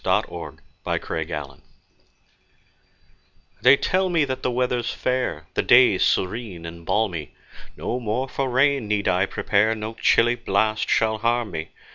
P.G. Wodehouse The Pessimist THEY tell me that the weather's fair, The day serene and balmy; No more for rain need I prepare No chilly blast shall harm me.